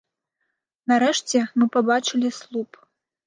Нарэшце мы пабачылі слуп.